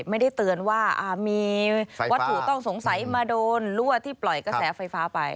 ไม่ได้เตือนว่ามีวัตถุต้องสงสัยมาโดนรั่วที่ปล่อยกระแสไฟฟ้าไป